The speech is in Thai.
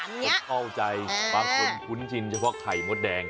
คนเข้าใจบางคนคุ้นชินเฉพาะไข่มดแดง